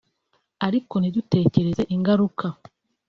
ariko ntidutekereze ingaruka